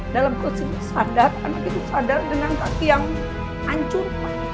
dalam ke sini sadar anak itu sadar dengan kaki yang hancur